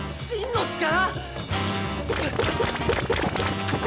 真の力！？